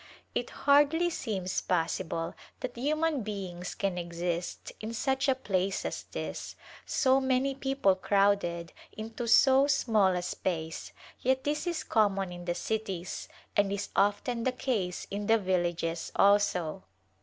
It hardly seems possible that human beings can exist in such a place as this, so many peo ple crowded into so small a space, yet this is common in the cities and is often the case in the villages, also.